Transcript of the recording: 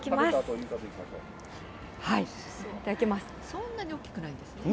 そんなに大きくないですね。